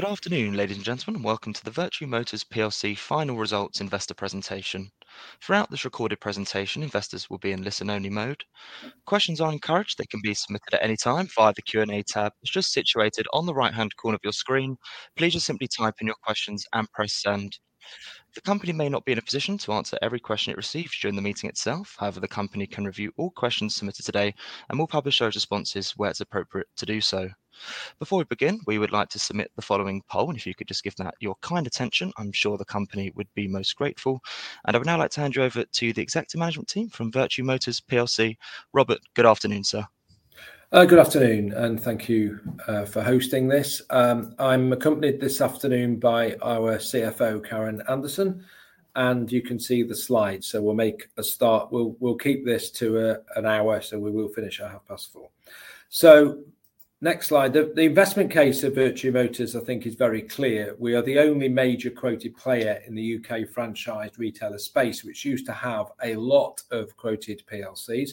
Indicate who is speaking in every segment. Speaker 1: Good afternoon, ladies and gentlemen. Welcome to the Vertu Motors Plc Final Results Investor Presentation. Throughout this recorded presentation, investors will be in listen-only mode. Questions are encouraged; they can be submitted at any time via the Q&A tab. It is just situated on the right-hand corner of your screen. Please just simply type in your questions and press send. The company may not be in a position to answer every question it receives during the meeting itself. However, the company can review all questions submitted today and will publish those responses where it is appropriate to do so. Before we begin, we would like to submit the following poll, and if you could just give that your kind attention, I am sure the company would be most grateful. I would now like to hand you over to the Executive Management Team from Vertu Motors plc. Robert, good afternoon, sir.
Speaker 2: Good afternoon, and thank you for hosting this. I'm accompanied this afternoon by our CFO, Karen Anderson, and you can see the slides. We'll make a start. We'll keep this to an hour, so we will finish at 4:30 P.M. Next slide. The investment case of Vertu Motors, I think, is very clear. We are the only major quoted player in the U.K. franchise retailer space, which used to have a lot of quoted PLCs.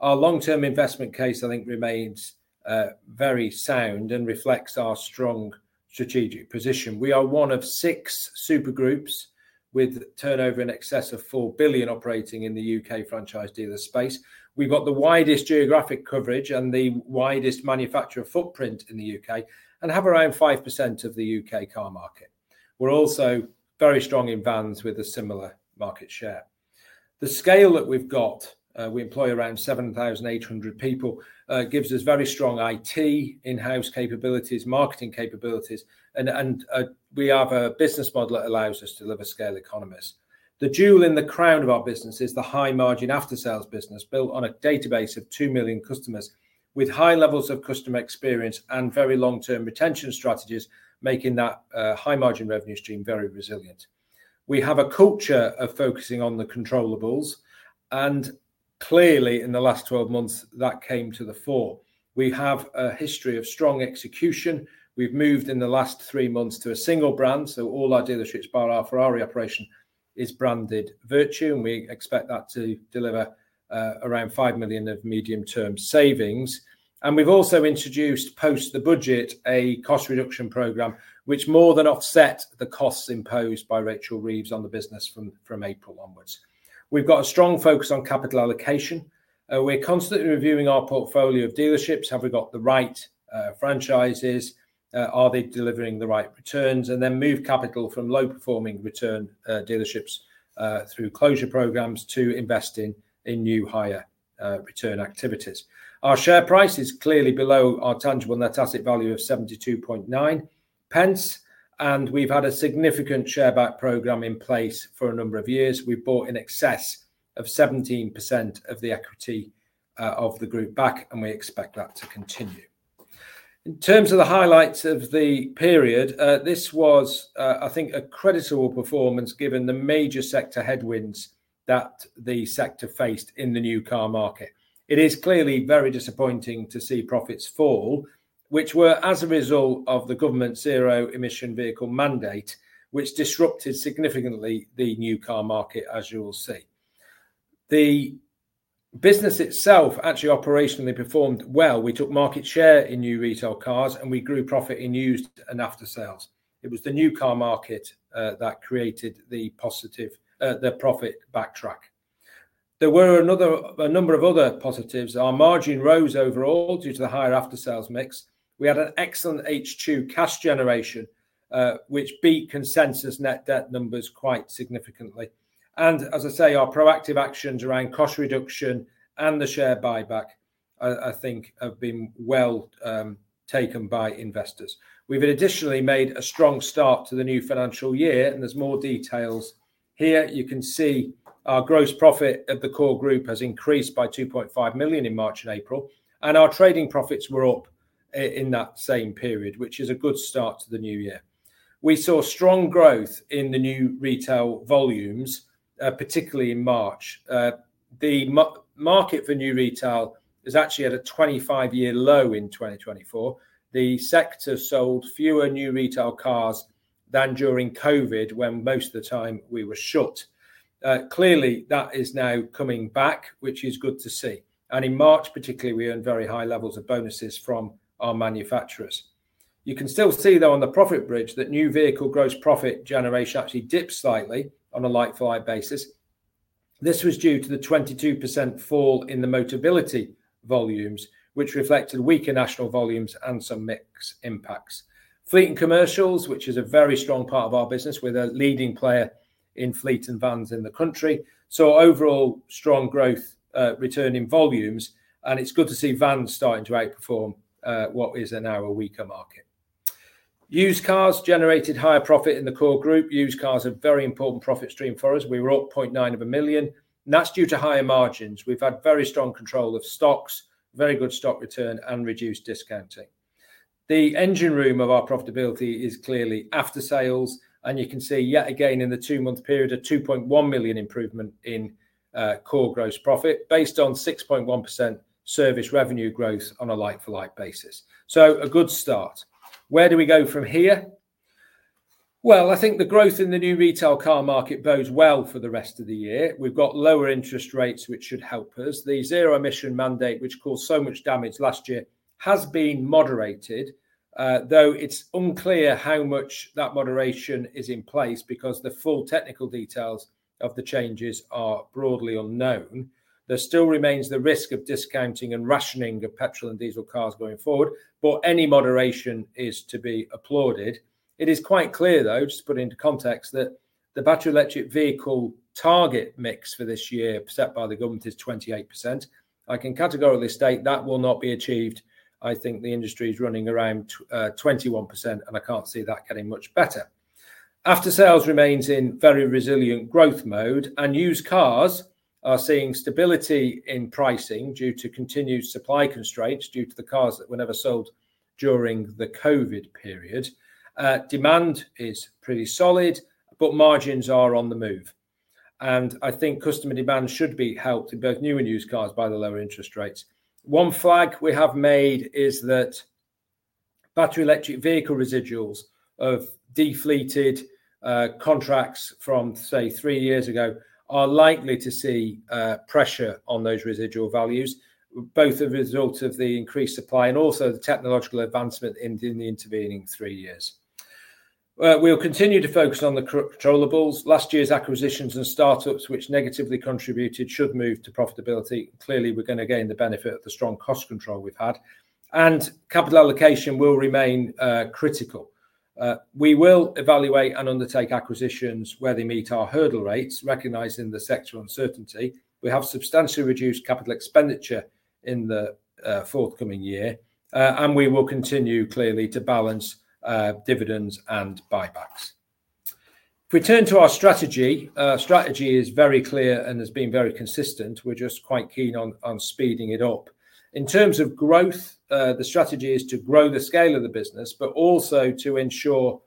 Speaker 2: Our long-term investment case, I think, remains very sound and reflects our strong strategic position. We are one of six super groups with turnover in excess of 4 billion operating in the U.K. franchise dealer space. We've got the widest geographic coverage and the widest manufacturer footprint in the U.K. and have around 5% of the U.K. car market. We're also very strong in vans with a similar market share. The scale that we've got, we employ around 7,800 people, gives us very strong IT, in-house capabilities, marketing capabilities, and we have a business model that allows us to deliver scale economies. The jewel in the crown of our business is the high-margin after-sales business built on a database of 2 million customers with high levels of customer experience and very long-term retention strategies, making that high-margin revenue stream very resilient. We have a culture of focusing on the controllables, and clearly, in the last 12 months, that came to the fore. We have a history of strong execution. We've moved in the last three months to a single brand, so all our dealerships, bar our Ferrari operation, are branded Vertu, and we expect that to deliver around 5 million of medium-term savings. We have also introduced, post the budget, a cost reduction program, which more than offsets the costs imposed by Rachel Reeves on the business from April onwards. We have a strong focus on capital allocation. We are constantly reviewing our portfolio of dealerships. Have we got the right franchises? Are they delivering the right returns? We then move capital from low-performing return dealerships through closure programs to investing in new higher return activities. Our share price is clearly below our tangible net asset value of 0.729, and we have had a significant share buyback program in place for a number of years. We have bought in excess of 17% of the equity of the group back, and we expect that to continue. In terms of the highlights of the period, this was, I think, a creditable performance given the major sector headwinds that the sector faced in the new car market. It is clearly very disappointing to see profits fall, which were as a result of the government zero-emission vehicle mandate, which disrupted significantly the new car market, as you will see. The business itself actually operationally performed well. We took market share in new retail cars, and we grew profit in used and after-sales. It was the new car market that created the profit backtrack. There were a number of other positives. Our margin rose overall due to the higher after-sales mix. We had an excellent H2 cash generation, which beat consensus net debt numbers quite significantly. As I say, our proactive actions around cost reduction and the share buyback, I think, have been well taken by investors. We have additionally made a strong start to the new financial year, and there is more details here. You can see our gross profit at the core group has increased by 2.5 million in March and April, and our trading profits were up in that same period, which is a good start to the new year. We saw strong growth in the new retail volumes, particularly in March. The market for new retail is actually at a 25-year low in 2024. The sector sold fewer new retail cars than during COVID, when most of the time we were shut. Clearly, that is now coming back, which is good to see. In March, particularly, we earned very high levels of bonuses from our manufacturers. You can still see, though, on the profit bridge that new vehicle gross profit generation actually dipped slightly on a like-for-like basis. This was due to the 22% fall in the Motability volumes, which reflected weaker national volumes and some mixed impacts. Fleet and commercials, which is a very strong part of our business, we're the leading player in fleet and vans in the country. Overall, strong growth, returning volumes, and it's good to see vans starting to outperform what is now a weaker market. Used cars generated higher profit in the core group. Used cars are a very important profit stream for us. We were up 0.9 million, and that's due to higher margins. We've had very strong control of stocks, very good stock return, and reduced discounting. The engine room of our profitability is clearly after-sales, and you can see yet again in the two-month period a 2.1 million improvement in core gross profit based on 6.1% service revenue growth on a like-for-like basis. A good start. Where do we go from here? I think the growth in the new retail car market bodes well for the rest of the year. We've got lower interest rates, which should help us. The zero-emission mandate, which caused so much damage last year, has been moderated, though it's unclear how much that moderation is in place because the full technical details of the changes are broadly unknown. There still remains the risk of discounting and rationing of petrol and diesel cars going forward, but any moderation is to be applauded. It is quite clear, though, just to put into context, that the battery electric vehicle target mix for this year, set by the government, is 28%. I can categorically state that will not be achieved. I think the industry is running around 21%, and I can't see that getting much better. After-sales remains in very resilient growth mode, and used cars are seeing stability in pricing due to continued supply constraints due to the cars that were never sold during the COVID period. Demand is pretty solid, but margins are on the move. I think customer demand should be helped in both new and used cars by the lower interest rates. One flag we have made is that battery electric vehicle residuals of deflated contracts from, say, 3 years ago are likely to see pressure on those residual values, both as a result of the increased supply and also the technological advancement in the intervening 3 years. We'll continue to focus on the controllables, last year's acquisitions and startups, which negatively contributed, should move to profitability. Clearly, we're going to gain the benefit of the strong cost control we've had, and capital allocation will remain critical. We will evaluate and undertake acquisitions where they meet our hurdle rates, recognizing the sector uncertainty. We have substantially reduced capital expenditure in the forthcoming year, and we will continue clearly to balance dividends and buybacks. If we turn to our strategy, strategy is very clear and has been very consistent. We're just quite keen on speeding it up. In terms of growth, the strategy is to grow the scale of the business, but also to ensure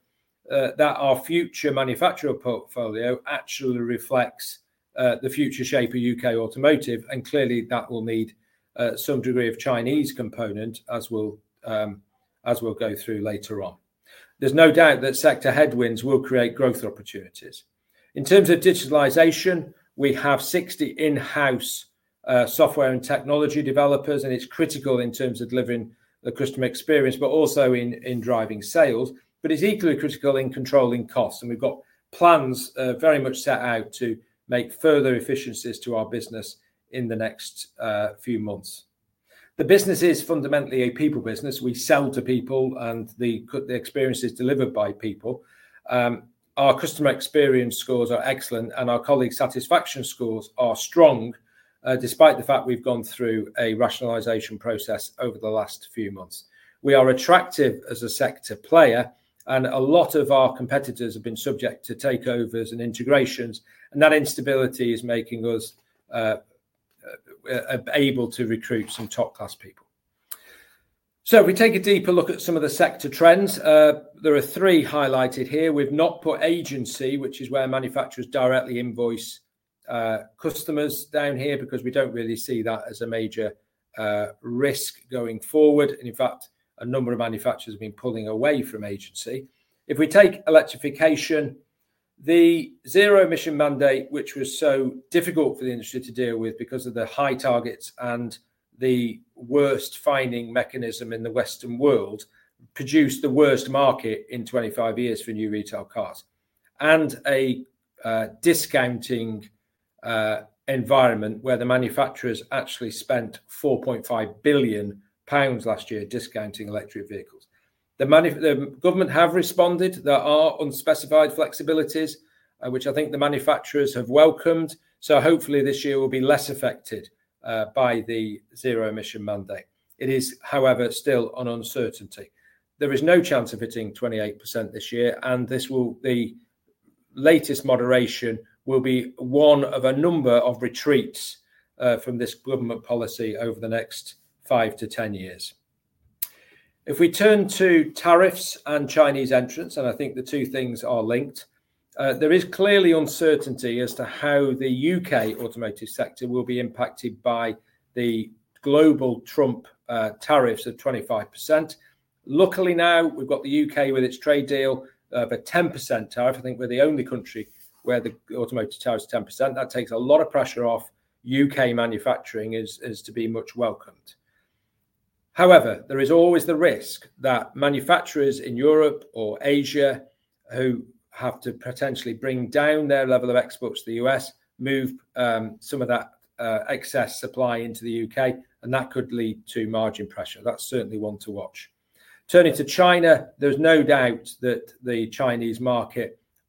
Speaker 2: that our future manufacturer portfolio actually reflects the future shape of U.K. automotive. Clearly, that will need some degree of Chinese component, as we'll go through later on. There's no doubt that sector headwinds will create growth opportunities. In terms of digitalization, we have 60 in-house software and technology developers, and it's critical in terms of delivering the customer experience, but also in driving sales. It is equally critical in controlling costs, and we have got plans very much set out to make further efficiencies to our business in the next few months. The business is fundamentally a people business. We sell to people, and the experience is delivered by people. Our customer experience scores are excellent, and our colleague satisfaction scores are strong, despite the fact we have gone through a rationalization process over the last few months. We are attractive as a sector player, and a lot of our competitors have been subject to takeovers and integrations, and that instability is making us able to recruit some top-class people. If we take a deeper look at some of the sector trends, there are three highlighted here. We have not put agency, which is where manufacturers directly invoice customers, down here, because we do not really see that as a major risk going forward. In fact, a number of manufacturers have been pulling away from agency. If we take electrification, the zero-emission mandate, which was so difficult for the industry to deal with because of the high targets and the worst finding mechanism in the Western world, produced the worst market in 25 years for new retail cars and a discounting environment where the manufacturers actually spent 4.5 billion pounds last year discounting electric vehicles. The government have responded. There are unspecified flexibilities, which I think the manufacturers have welcomed. Hopefully this year will be less affected by the zero-emission mandate. It is, however, still an uncertainty. There is no chance of hitting 28% this year, and this latest moderation will be one of a number of retreats from this government policy over the next 5-10 years. If we turn to tariffs and Chinese entrance, and I think the two things are linked, there is clearly uncertainty as to how the U.K. automotive sector will be impacted by the global Trump tariffs of 25%. Luckily now, we've got the U.K. with its trade deal of a 10% tariff. I think we're the only country where the automotive tariff is 10%. That takes a lot of pressure off U.K. manufacturing as to be much welcomed. However, there is always the risk that manufacturers in Europe or Asia who have to potentially bring down their level of exports to the U.S. move some of that excess supply into the U.K., and that could lead to margin pressure. That's certainly one to watch. Turning to China, there's no doubt that the Chinese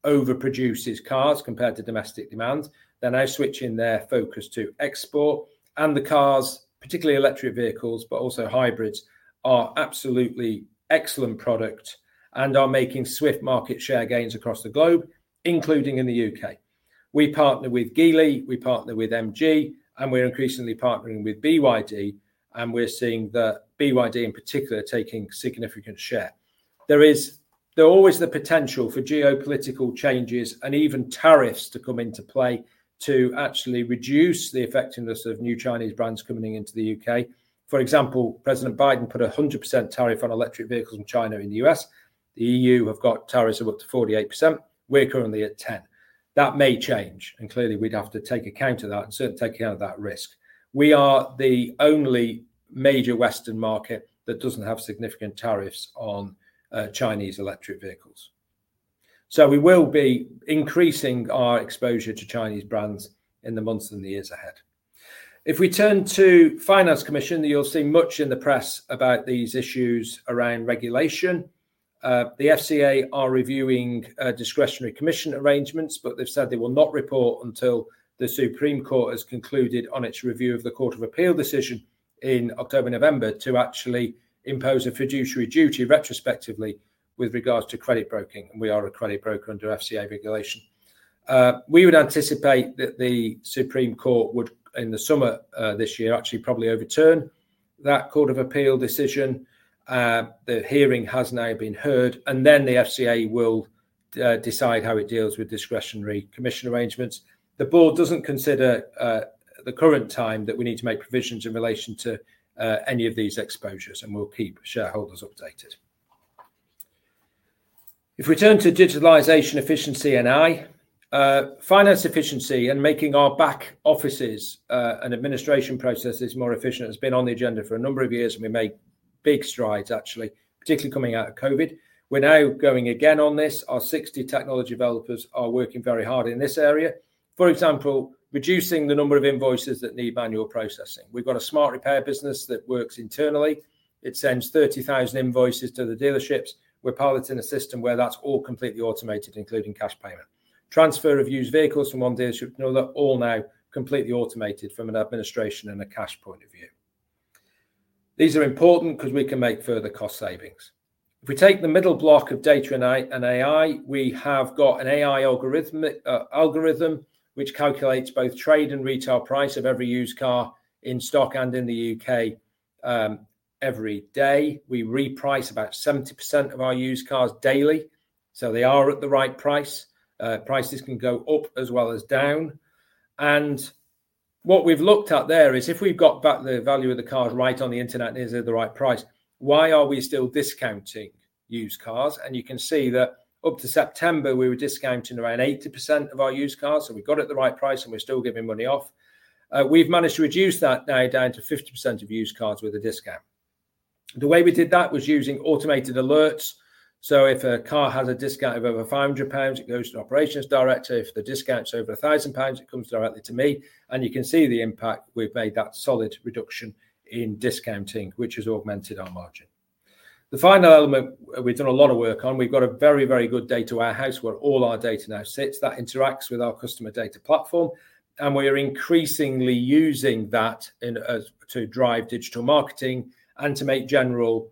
Speaker 2: market overproduces cars compared to domestic demand. They're now switching their focus to export, and the cars, particularly electric vehicles, but also hybrids, are absolutely excellent product and are making swift market share gains across the globe, including in the U.K. We partner with Geely, we partner with MG, and we're increasingly partnering with BYD, and we're seeing the BYD in particular taking significant share. There is always the potential for geopolitical changes and even tariffs to come into play to actually reduce the effectiveness of new Chinese brands coming into the U.K. For example, President Biden put a 100% tariff on electric vehicles in China in the U.S. The EU have got tariffs of up to 48%. We're currently at 10%. That may change, and clearly we'd have to take account of that and certainly take account of that risk. We are the only major Western market that doesn't have significant tariffs on Chinese electric vehicles. We will be increasing our exposure to Chinese brands in the months and the years ahead. If we turn to the Finance Commission, you'll see much in the press about these issues around regulation. The FCA are reviewing discretionary commission arrangements, but they've said they will not report until the Supreme Court has concluded on its review of the Court of Appeal decision in October-November to actually impose a fiduciary duty retrospectively with regards to credit broking, and we are a credit broker under FCA regulation. We would anticipate that the Supreme Court would, in the summer this year, actually probably overturn that Court of Appeal decision. The hearing has now been heard, and then the FCA will decide how it deals with discretionary commission arrangements. The board does not consider the current time that we need to make provisions in relation to any of these exposures, and we will keep shareholders updated. If we turn to digitalization, efficiency, and finance efficiency and making our back offices and administration processes more efficient has been on the agenda for a number of years, and we made big strides, actually, particularly coming out of COVID. We are now going again on this. Our 60 technology developers are working very hard in this area. For example, reducing the number of invoices that need manual processing. We have got a smart repair business that works internally. It sends 30,000 invoices to the dealerships. We are piloting a system where that is all completely automated, including cash payment. Transfer of used vehicles from one dealership to another are all now completely automated from an administration and a cash point of view. These are important because we can make further cost savings. If we take the middle block of data and AI, we have got an AI algorithm which calculates both trade and retail price of every used car in stock and in the U.K. every day. We reprice about 70% of our used cars daily, so they are at the right price. Prices can go up as well as down. What we've looked at there is if we've got back the value of the cars right on the internet and it's at the right price, why are we still discounting used cars? You can see that up to September, we were discounting around 80% of our used cars, so we've got it at the right price and we're still giving money off. We've managed to reduce that now down to 50% of used cars with a discount. The way we did that was using automated alerts. If a car has a discount of over 500 pounds, it goes to Operations Director. If the discount's over 1,000 pounds, it comes directly to me. You can see the impact. We've made that solid reduction in discounting, which has augmented our margin. The final element we've done a lot of work on. We've got a very, very good data warehouse where all our data now sits. That interacts with our customer data platform, and we are increasingly using that to drive digital marketing and to make general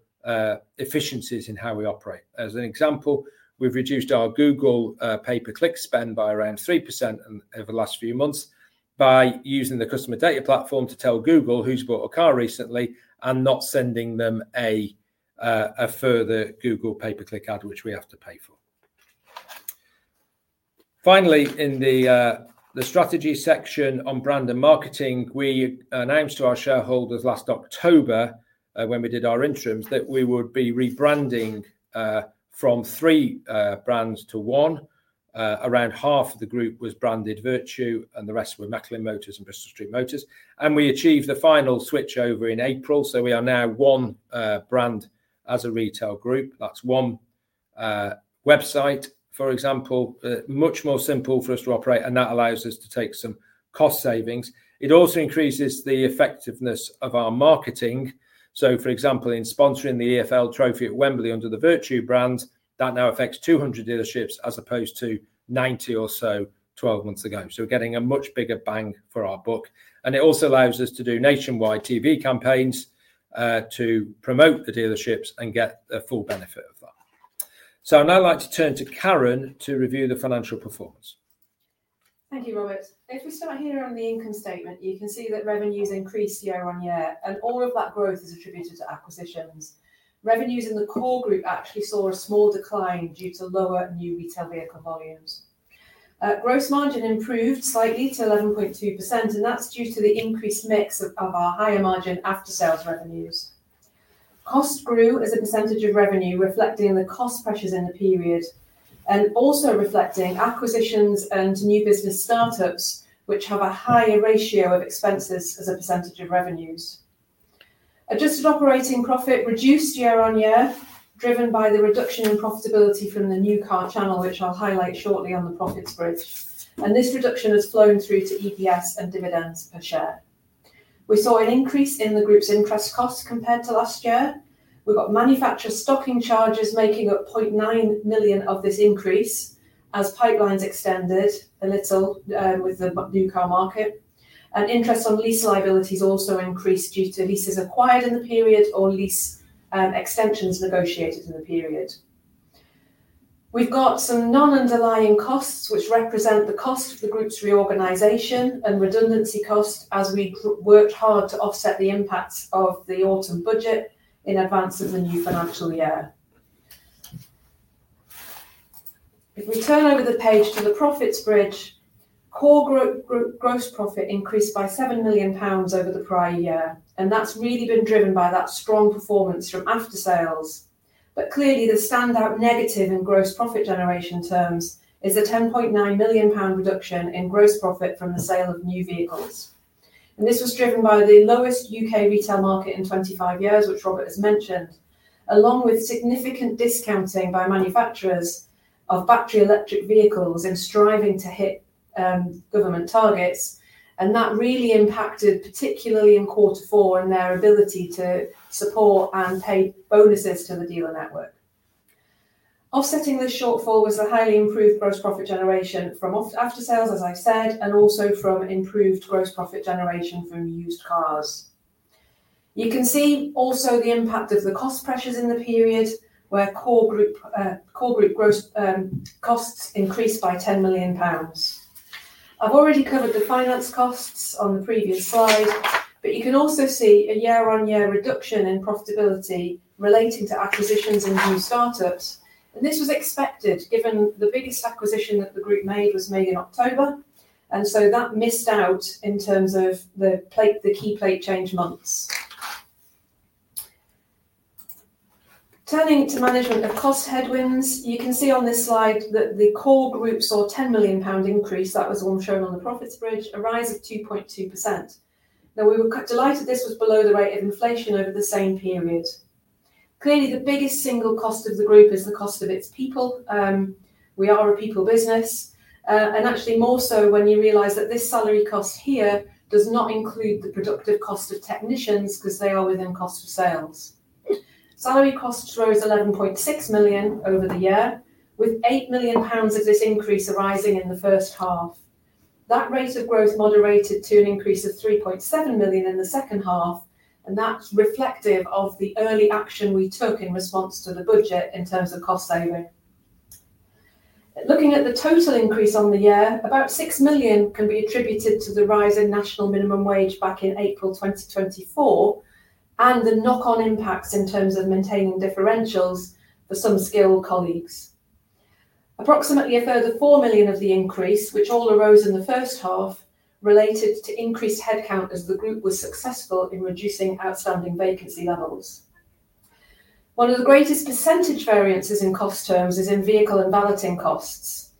Speaker 2: efficiencies in how we operate. As an example, we've reduced our Google pay-per-click spend by around 3% over the last few months by using the customer data platform to tell Google who's bought a car recently and not sending them a further Google pay-per-click ad, which we have to pay for. Finally, in the strategy section on brand and marketing, we announced to our shareholders last October when we did our interims that we would be rebranding from three brands to one. Around half of the group was branded Vertu, and the rest were Macklin Motors and Bristol Street Motors. We achieved the final switch over in April, so we are now one brand as a retail group. That is one website, for example, much more simple for us to operate, and that allows us to take some cost savings. It also increases the effectiveness of our marketing. For example, in sponsoring the EFL Trophy at Wembley under the Vertu brand, that now affects 200 dealerships as opposed to 90 or so 12 months ago. We are getting a much bigger bang for our buck. It also allows us to do nationwide TV campaigns to promote the dealerships and get the full benefit of that. Now I would like to turn to Karen to review the financial performance.
Speaker 3: Thank you, Robert. If we start here on the income statement, you can see that revenues increased year-on-year, and all of that growth is attributed to acquisitions. Revenues in the core group actually saw a small decline due to lower new retail vehicle volumes. Gross margin improved slightly to 11.2%, and that is due to the increased mix of our higher margin after-sales revenues. Cost grew as a percentage of revenue, reflecting the cost pressures in the period and also reflecting acquisitions and new business startups, which have a higher ratio of expenses as a percentage of revenues. Adjusted operating profit reduced year-on-year, driven by the reduction in profitability from the new car channel, which I'll highlight shortly on the profits bridge. This reduction has flown through to EPS and dividends per share. We saw an increase in the group's interest costs compared to last year. We have manufacturer stocking charges making up 0.9 million of this increase as pipelines extended a little with the new car market. Interest on lease liabilities also increased due to leases acquired in the period or lease extensions negotiated in the period. We have some non-underlying costs, which represent the cost of the group's reorganization and redundancy cost as we worked hard to offset the impacts of the autumn budget in advance of the new financial year. If we turn over the page to the profits bridge, core gross profit increased by 7 million pounds over the prior year, and that has really been driven by that strong performance from after-sales. Clearly, the standout negative in gross profit generation terms is a 10.9 million pound reduction in gross profit from the sale of new vehicles. This was driven by the lowest U.K. retail market in 25 years, which Robert has mentioned, along with significant discounting by manufacturers of battery electric vehicles and striving to hit government targets. That really impacted, particularly in quarter four, their ability to support and pay bonuses to the dealer network. Offsetting this shortfall was the highly improved gross profit generation from after-sales, as I said, and also from improved gross profit generation from used cars. You can see also the impact of the cost pressures in the period where core group gross costs increased by 10 million pounds. I've already covered the finance costs on the previous slide, but you can also see a year-on-year reduction in profitability relating to acquisitions and new startups. This was expected given the biggest acquisition that the group made was made in October, and so that missed out in terms of the key plate change months. Turning to management of cost headwinds, you can see on this slide that the core group saw a 10 million pound increase. That was all shown on the profits bridge, a rise of 2.2%. We were delighted this was below the rate of inflation over the same period. Clearly, the biggest single cost of the group is the cost of its people. We are a people business, and actually more so when you realize that this salary cost here does not include the productive cost of technicians because they are within cost of sales. Salary costs rose 11.6 million over the year, with 8 million pounds of this increase arising in the first half. That rate of growth moderated to an increase of 3.7 million in the second half, and that's reflective of the early action we took in response to the budget in terms of cost saving. Looking at the total increase on the year, about 6 million can be attributed to the rise in national minimum wage back in April 2024 and the knock-on impacts in terms of maintaining differentials for some skilled colleagues. Approximately a further 4 million of the increase, which all arose in the first half, related to increased headcount as the group was successful in reducing outstanding vacancy levels. One of the greatest percentage variances in cost terms is in vehicle and valeting costs,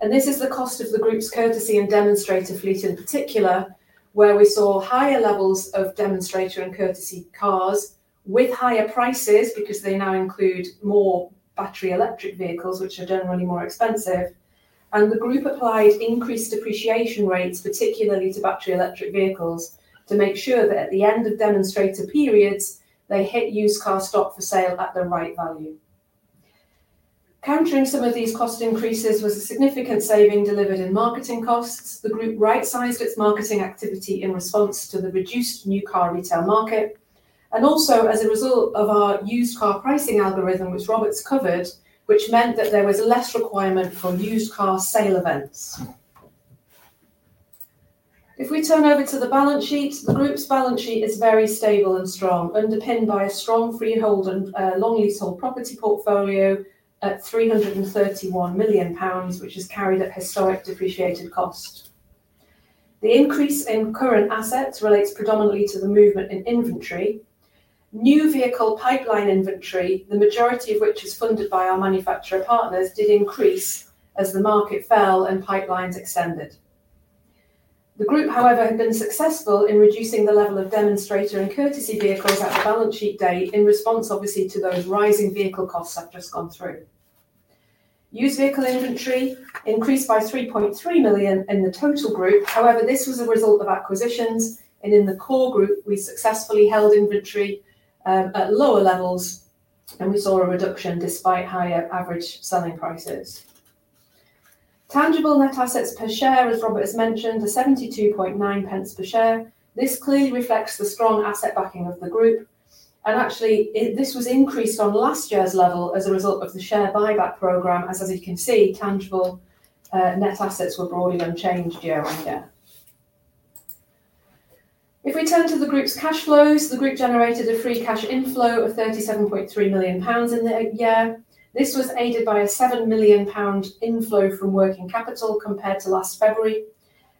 Speaker 3: and this is the cost of the group's courtesy and demonstrator fleet in particular, where we saw higher levels of demonstrator and courtesy cars with higher prices because they now include more battery electric vehicles, which are generally more expensive. The group applied increased depreciation rates, particularly to battery electric vehicles, to make sure that at the end of demonstrator periods, they hit used car stock for sale at the right value. Countering some of these cost increases was a significant saving delivered in marketing costs. The group right-sized its marketing activity in response to the reduced new car retail market and also as a result of our used car pricing algorithm, which Robert's covered, which meant that there was less requirement for used car sale events. If we turn over to the balance sheet, the group's balance sheet is very stable and strong, underpinned by a strong freehold and long leasehold property portfolio at 331 million pounds, which has carried up historic depreciated costs. The increase in current assets relates predominantly to the movement in inventory. New vehicle pipeline inventory, the majority of which is funded by our manufacturer partners, did increase as the market fell and pipelines extended. The group, however, had been successful in reducing the level of demonstrator and courtesy vehicles at the balance sheet date in response, obviously, to those rising vehicle costs I've just gone through. Used vehicle inventory increased by 3.3 million in the total group. However, this was a result of acquisitions, and in the core group, we successfully held inventory at lower levels, and we saw a reduction despite higher average selling prices. Tangible net assets per share, as Robert has mentioned, are 72.9 per share. This clearly reflects the strong asset backing of the group, and actually, this was increased on last year's level as a result of the share buyback program, as you can see, tangible net assets were broadly unchanged year-on-year. If we turn to the group's cash flows, the group generated a free cash inflow of 37.3 million pounds in the year. This was aided by a 7 million pound inflow from working capital compared to last February.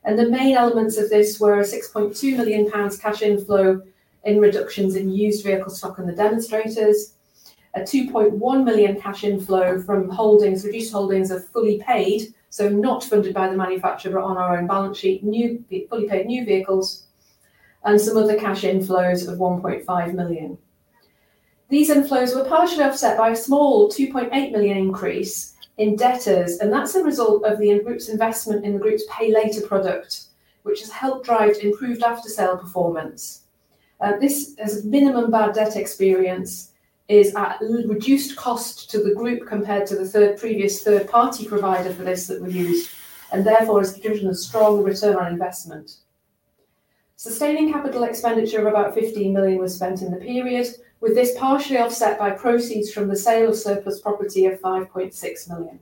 Speaker 3: The main elements of this were a 6.2 million pounds cash inflow in reductions in used vehicle stock and the demonstrators, a 2.1 million cash inflow from reduced holdings of fully paid, so not funded by the manufacturer, but on our own balance sheet, fully paid new vehicles, and some other cash inflows of 1.5 million. These inflows were partially offset by a small 2.8 million increase in debtors, and that's a result of the group's investment in the group's pay later product, which has helped drive improved after-sales performance. This minimum bad debt experience is at reduced cost to the group compared to the previous third-party provider for this that we used, and therefore has given a strong return on investment. Sustaining capital expenditure of about 15 million was spent in the period, with this partially offset by proceeds from the sale of surplus property of 5.6 million.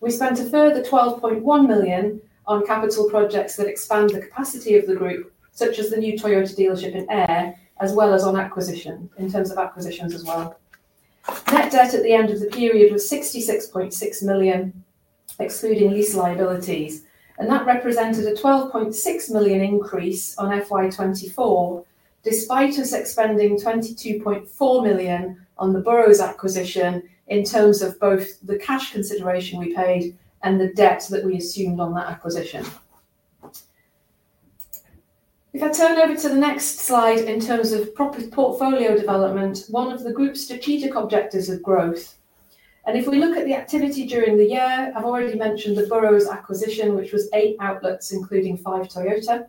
Speaker 3: We spent a further 12.1 million on capital projects that expand the capacity of the group, such as the new Toyota dealership in Ayr, as well as on acquisition in terms of acquisitions as well. Net debt at the end of the period was 66.6 million, excluding lease liabilities, and that represented a 12.6 million increase on FY 2024, despite us expending 22.4 million on the Burrows acquisition in terms of both the cash consideration we paid and the debt that we assumed on that acquisition. If I turn over to the next slide in terms of portfolio development, one of the group's strategic objectives of growth. If we look at the activity during the year, I've already mentioned the Burrows acquisition, which was eight outlets, including five Toyota.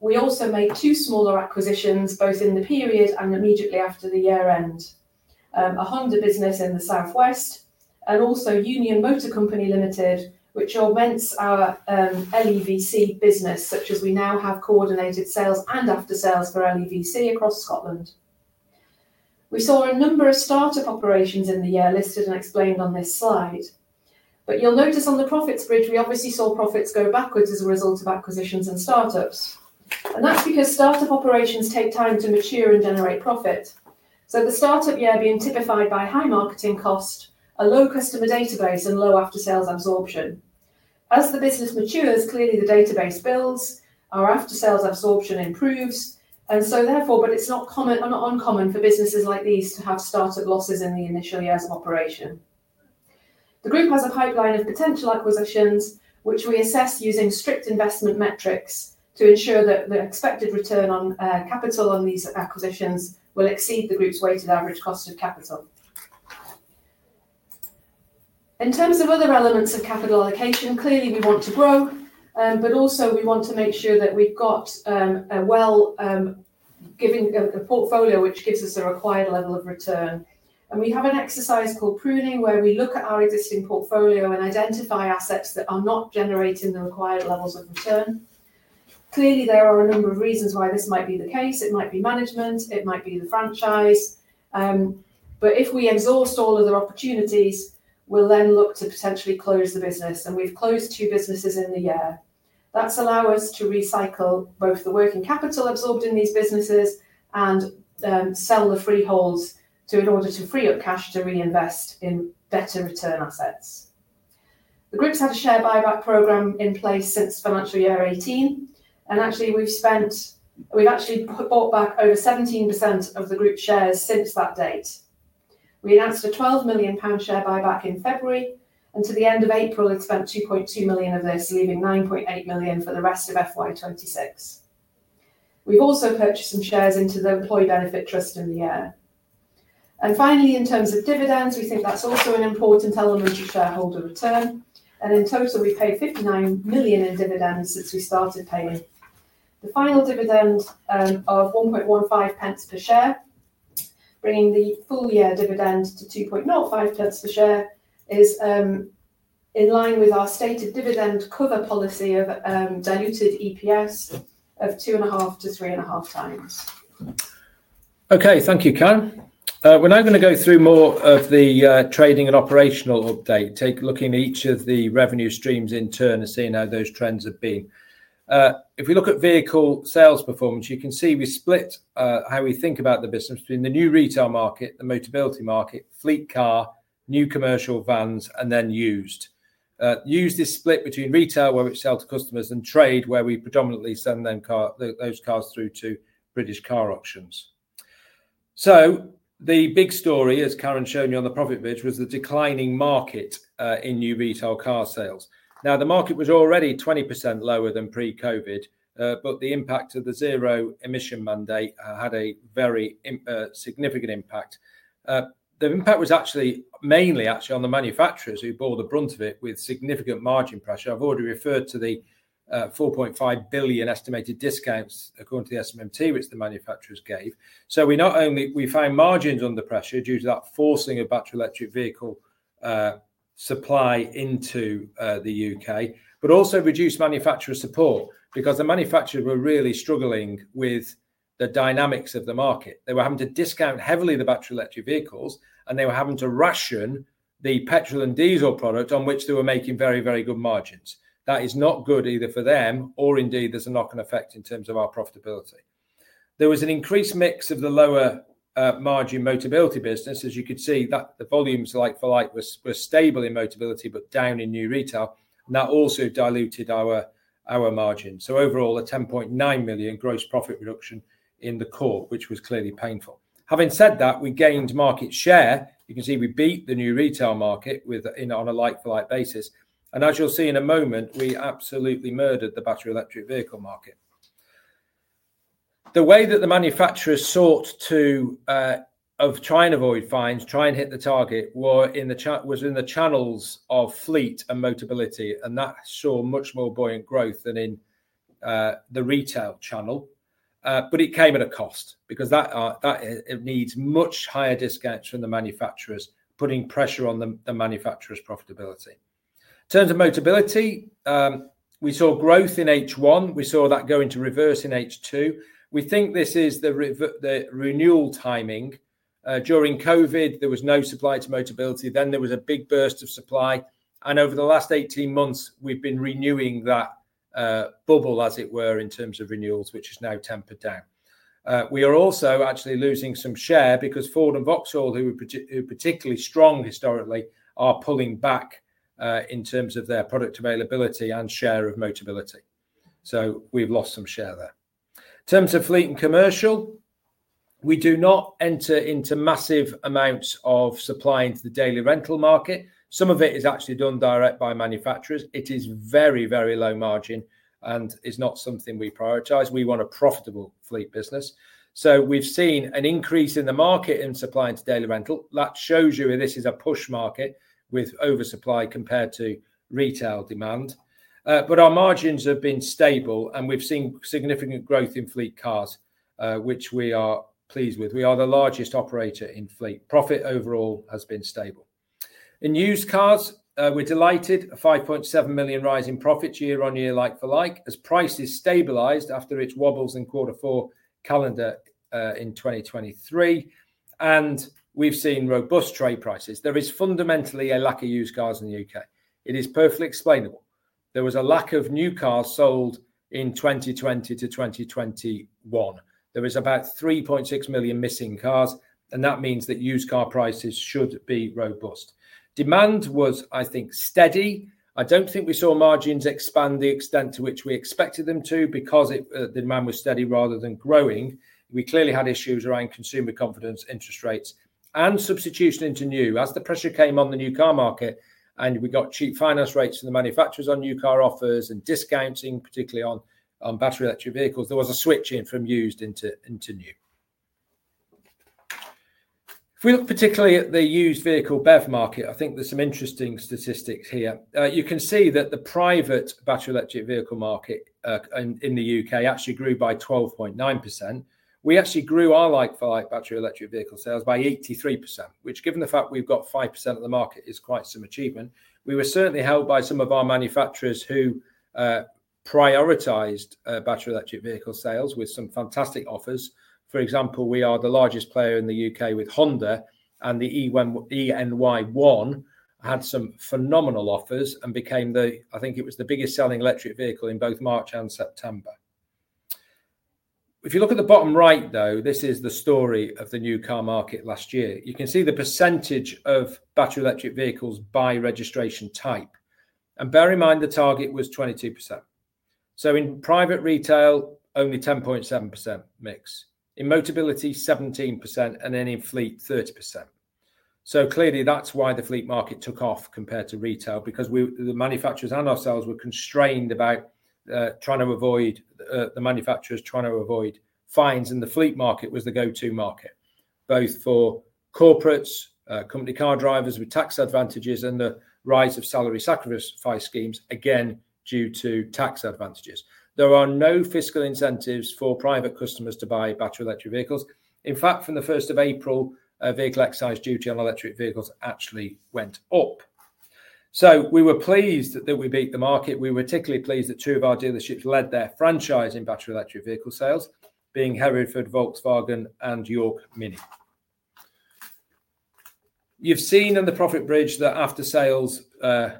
Speaker 3: We also made two smaller acquisitions, both in the period and immediately after the year-end, a Honda business in the Southwest, and also UNION MOTOR CO, LTD, which augments our LEVC business, such that we now have coordinated sales and after-sales for LEVC across Scotland. We saw a number of startup operations in the year listed and explained on this slide. You will notice on the profits bridge, we obviously saw profits go backwards as a result of acquisitions and startups. That is because startup operations take time to mature and generate profit. The startup year is typified by high marketing cost, a low customer database, and low after-sales absorption. As the business matures, clearly the database builds, our after-sales absorption improves, and therefore, it is not uncommon for businesses like these to have startup losses in the initial years of operation. The group has a pipeline of potential acquisitions, which we assess using strict investment metrics to ensure that the expected return on capital on these acquisitions will exceed the group's weighted average cost of capital. In terms of other elements of capital allocation, clearly we want to grow, but also we want to make sure that we've got a well-giving portfolio which gives us a required level of return. We have an exercise called pruning where we look at our existing portfolio and identify assets that are not generating the required levels of return. Clearly, there are a number of reasons why this might be the case. It might be management. It might be the franchise. If we exhaust all of the opportunities, we'll then look to potentially close the business. We've closed two businesses in the year. That's allowed us to recycle both the working capital absorbed in these businesses and sell the freeholds in order to free up cash to reinvest in better return assets. The group's had a share buyback program in place since financial year 2018, and actually we've bought back over 17% of the group shares since that date. We announced a 12 million pound share buyback in February, and to the end of April, it spent 2.2 million of this, leaving 9.8 million for the rest of FY 2026. We've also purchased some shares into the Employee Benefit Trust in the year. Finally, in terms of dividends, we think that's also an important element of shareholder return. In total, we paid 59 million in dividends since we started paying. The final dividend of 1.15 per share, bringing the full year dividend to 2.05 per share, is in line with our stated dividend cover policy of diluted EPS of 2.5x-3.5x.
Speaker 2: Okay, thank you, Karen. We're now going to go through more of the trading and operational update, take a look in each of the revenue streams in turn and see how those trends have been. If we look at vehicle sales performance, you can see we split how we think about the business between the new retail market, the Motability market, fleet car, new commercial vans, and then used. Used is split between retail, where we sell to customers, and trade, where we predominantly send those cars through to British car auctions. The big story, as Karen showed me on the profit bridge, was the declining market in new retail car sales. Now, the market was already 20% lower than pre-COVID, but the impact of the zero emission mandate had a very significant impact. The impact was actually mainly on the manufacturers who bore the brunt of it with significant margin pressure. I've already referred to the 4.5 billion estimated discounts, according to the SMMT, which the manufacturers gave. We found margins under pressure due to that forcing of battery electric vehicle supply into the U.K., but also reduced manufacturer support because the manufacturers were really struggling with the dynamics of the market. They were having to discount heavily the battery electric vehicles, and they were having to ration the petrol and diesel product on which they were making very, very good margins. That is not good either for them, or indeed there's a knock-on effect in terms of our profitability. There was an increased mix of the lower margin Motability business. As you could see, the volumes like for like were stable in Motability, but down in new retail. That also diluted our margin. Overall, a 10.9 million gross profit reduction in the core, which was clearly painful. Having said that, we gained market share. You can see we beat the new retail market on a like-for-like basis. As you'll see in a moment, we absolutely murdered the Battery Electric Vehicle market. The way that the manufacturers sought to try and avoid fines, try and hit the target, was in the channels of fleet and Motability, and that saw much more buoyant growth than in the retail channel. It came at a cost because it needs much higher discounts from the manufacturers, putting pressure on the manufacturer's profitability. In terms of Motability, we saw growth in H1. We saw that go into reverse in H2. We think this is the renewal timing. During COVID, there was no supply to Motability. Then there was a big burst of supply. Over the last 18 months, we've been renewing that bubble, as it were, in terms of renewals, which has now tempered down. We are also actually losing some share because Ford and Vauxhall, who are particularly strong historically, are pulling back in terms of their product availability and share of Motability. We've lost some share there. In terms of fleet and commercial, we do not enter into massive amounts of supply into the daily rental market. Some of it is actually done direct by manufacturers. It is very, very low margin, and it's not something we prioritize. We want a profitable fleet business. We have seen an increase in the market and supply into daily rental. That shows you this is a push market with oversupply compared to retail demand. Our margins have been stable, and we have seen significant growth in fleet cars, which we are pleased with. We are the largest operator in fleet. Profit overall has been stable. In used cars, we're delighted. A 5.7 million rise in profit year-on-year like for like, as prices stabilized after its wobbles in Q4 calendar in 2023. We have seen robust trade prices. There is fundamentally a lack of used cars in the U.K. It is perfectly explainable. There was a lack of new cars sold in 2020 to 2021. There was about 3.6 million missing cars, and that means that used car prices should be robust. Demand was, I think, steady. I do not think we saw margins expand the extent to which we expected them to because demand was steady rather than growing. We clearly had issues around consumer confidence, interest rates, and substitution into new. As the pressure came on the new car market and we got cheap finance rates from the manufacturers on new car offers and discounting, particularly on battery electric vehicles, there was a switch in from used into new. If we look particularly at the used vehicle BEV market, I think there are some interesting statistics here. You can see that the private battery electric vehicle market in the U.K. actually grew by 12.9%. We actually grew our like-for-like battery electric vehicle sales by 83%, which, given the fact we have 5% of the market, is quite some achievement. We were certainly helped by some of our manufacturers who prioritized battery electric vehicle sales with some fantastic offers. For example, we are the largest player in the U.K. with Honda, and the e:Ny1 had some phenomenal offers and became, I think it was the biggest selling electric vehicle in both March and September. If you look at the bottom right, though, this is the story of the new car market last year. You can see the percentage of battery electric vehicles by registration type. Bear in mind the target was 22%. In private retail, only 10.7% mix. In Motability, 17%, and then in fleet, 30%. Clearly, that is why the fleet market took off compared to retail, because the manufacturers and ourselves were constrained about trying to avoid the manufacturers trying to avoid fines, and the fleet market was the go-to market, both for corporates, company car drivers with tax advantages, and the rise of salary sacrifice schemes, again, due to tax advantages. There are no fiscal incentives for private customers to buy battery electric vehicles. In fact, from the 1st of April, vehicle excise duty on electric vehicles actually went up. We were pleased that we beat the market. We were particularly pleased that two of our dealerships led their franchise in battery electric vehicle sales, being Hereford Volkswagen and York MINI. You have seen on the profit bridge that after-sales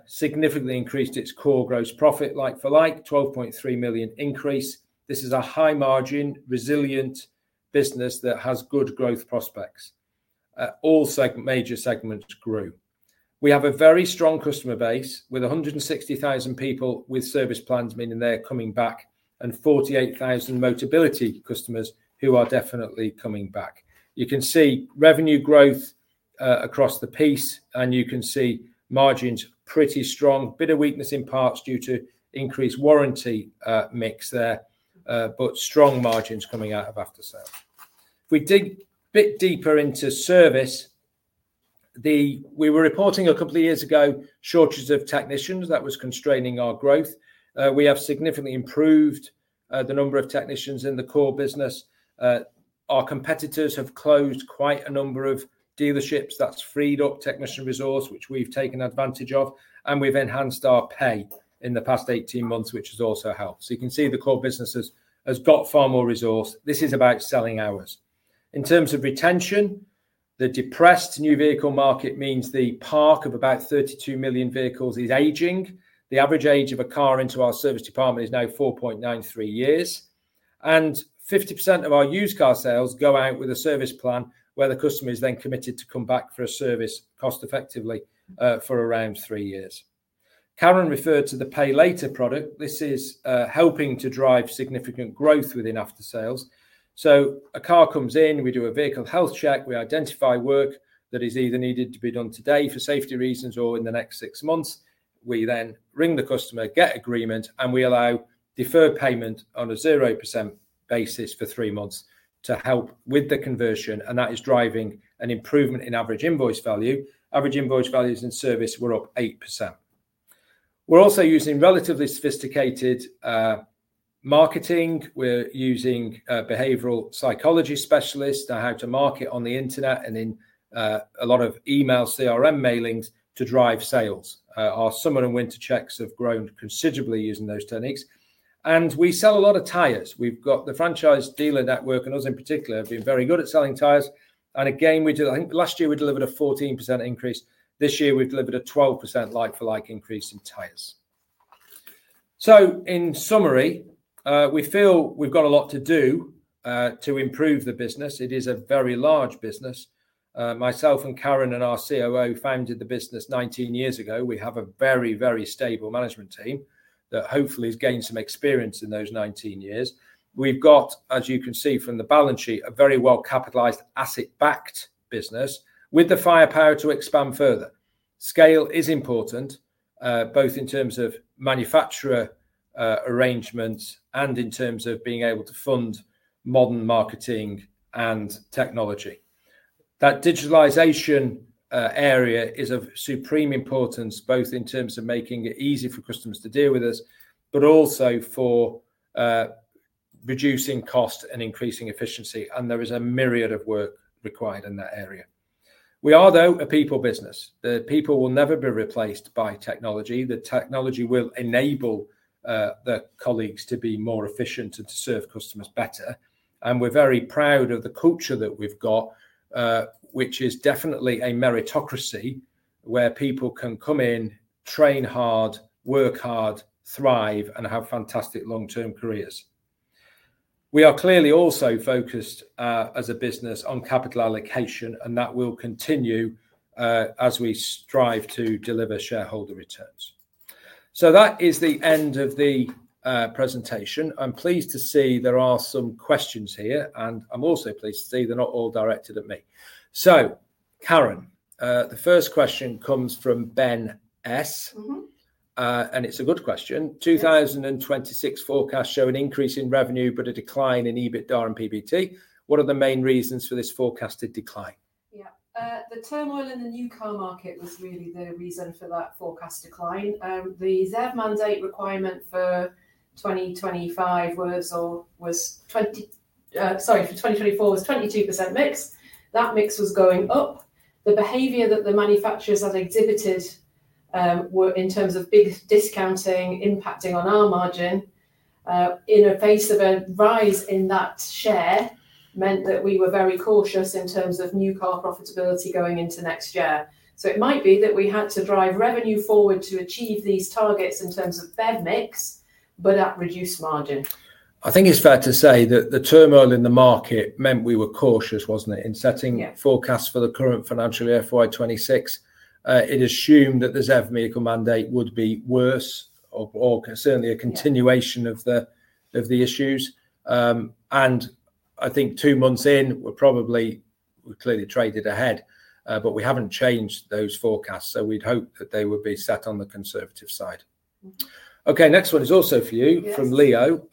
Speaker 2: significantly increased its core gross profit, like for like, 12.3 million increase. This is a high-margin, resilient business that has good growth prospects. All major segments grew. We have a very strong customer base with 160,000 people with service plans, meaning they're coming back, and 48,000 Motability customers who are definitely coming back. You can see revenue growth across the piece, and you can see margins pretty strong. Bit of weakness in parts due to increased warranty mix there, but strong margins coming out of after-sales. If we dig a bit deeper into service, we were reporting a couple of years ago shortages of technicians. That was constraining our growth. We have significantly improved the number of technicians in the core business. Our competitors have closed quite a number of dealerships. That's freed up technician resource, which we've taken advantage of, and we've enhanced our pay in the past 18 months, which has also helped. You can see the core business has got far more resource. This is about selling hours. In terms of retention, the depressed new vehicle market means the park of about 32 million vehicles is aging. The average age of a car into our service department is now 4.93 years. Fifty percent of our used car sales go out with a service plan where the customer is then committed to come back for a service cost-effectively for around three years. Karen referred to the pay later product. This is helping to drive significant growth within after-sales. A car comes in, we do a vehicle health check, we identify work that is either needed to be done today for safety reasons or in the next six months. We then ring the customer, get agreement, and we allow deferred payment on a 0% basis for three months to help with the conversion, and that is driving an improvement in average invoice value. Average invoice values in service were up 8%. We're also using relatively sophisticated marketing. We're using behavioral psychology specialists that have to market on the internet and in a lot of emails, CRM mailings to drive sales. Our summer and winter checks have grown considerably using those techniques. We sell a lot of tires. We've got the franchise dealer network, and us in particular, have been very good at selling tires. I think last year we delivered a 14% increase. This year we've delivered a 12% like-for-like increase in tires. In summary, we feel we've got a lot to do to improve the business. It is a very large business. Myself and Karen and our COO founded the business 19 years ago. We have a very, very stable management team that hopefully has gained some experience in those 19 years. We've got, as you can see from the balance sheet, a very well-capitalized, asset-backed business with the firepower to expand further. Scale is important, both in terms of manufacturer arrangements and in terms of being able to fund modern marketing and technology. That digitalization area is of supreme importance, both in terms of making it easy for customers to deal with us, but also for reducing cost and increasing efficiency. There is a myriad of work required in that area. We are, though, a people business. The people will never be replaced by technology. The technology will enable the colleagues to be more efficient and to serve customers better. We're very proud of the culture that we've got, which is definitely a meritocracy where people can come in, train hard, work hard, thrive, and have fantastic long-term careers. We are clearly also focused as a business on capital allocation, and that will continue as we strive to deliver shareholder returns. That is the end of the presentation. I'm pleased to see there are some questions here, and I'm also pleased to see they're not all directed at me. Karen, the first question comes from Ben S., and it's a good question. 2026 forecasts show an increase in revenue, but a decline in EBITDA and PBT. What are the main reasons for this forecasted decline?
Speaker 3: Yeah, the turmoil in the new car market was really the reason for that forecast decline. The ZEV mandate requirement for 2025 was, sorry, for 2024 was 22% mix. That mix was going up. The behavior that the manufacturers had exhibited in terms of big discounting impacting on our margin in a face of a rise in that share meant that we were very cautious in terms of new car profitability going into next year. It might be that we had to drive revenue forward to achieve these targets in terms of BEV mix, but at reduced margin.
Speaker 2: I think it's fair to say that the turmoil in the market meant we were cautious, was it not, in setting forecasts for the current financial year for 2026. It assumed that the ZEV mandate would be worse or certainly a continuation of the issues. I think two months in, we've probably clearly traded ahead, but we haven't changed those forecasts, so we'd hope that they would be set on the conservative side. Okay, next one is also for you from Leo.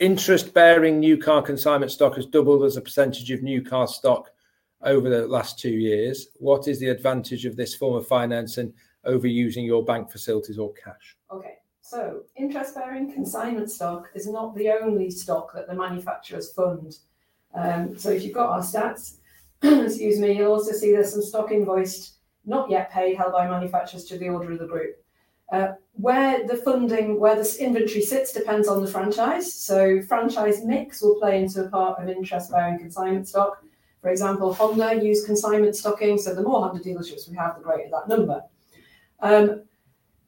Speaker 2: Interest-bearing new car consignment stock has doubled as a percentage of new car stock over the last 2 years. What is the advantage of this form of financing over using your bank facilities or cash?
Speaker 3: Okay, so interest-bearing consignment stock is not the only stock that the manufacturers fund. If you've got our stats, excuse me, you'll also see there's some stock invoiced not yet paid held by manufacturers to the order of the group. Where the funding, where this inventory sits, depends on the franchise. Franchise mix will play into a part of interest-bearing consignment stock. For example, Honda used consignment stocking, so the more Honda dealerships we have, the greater that number.